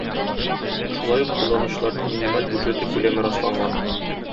Шулай ук кулланучыларның минималь бюджеты күләме расланган.